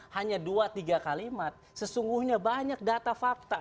hanya dua tiga kalimat sesungguhnya banyak data fakta